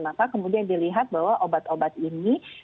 maka kemudian dilihat bahwa obat obat ini